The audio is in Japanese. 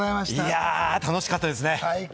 いや、楽しかったですね。